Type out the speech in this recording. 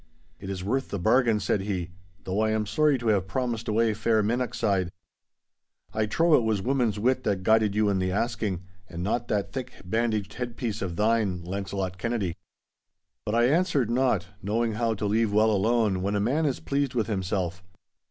'It is worth the bargain,' said he, 'though I am sorry to have promised away fair Minnochside. I trow it was woman's wit that guided you in the asking, and not that thick bandaged head piece of thine, Launcelot Kennedy.' But I answered not, knowing how to leave well alone when a man is pleased with himself.